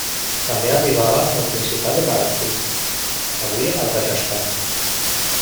També arribava al principat de Bharatpur avui al Rajasthan.